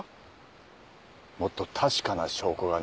もっと確かな証拠がなければ。